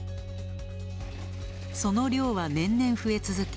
その量は年々増え続け